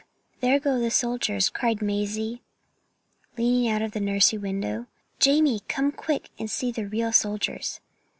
there go the soldiers," cried Mazie, leaning out of the nursery window. "Jamie, come quick and see the real soldiers."